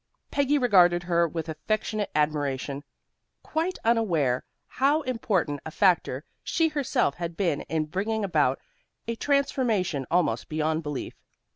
Peggy regarded her with affectionate admiration, quite unaware how important a factor she herself had been in bringing about a transformation almost beyond belief.